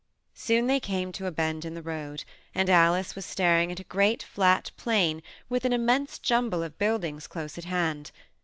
Soon they came to a bend in the road, and Alice was staring at a great, fiat plain with an immense jumble of buildings close at hand.